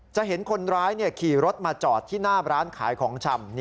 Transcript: จะเห็นคนร้ายขี่รถมาจอดที่หน้าร้านขายของชำ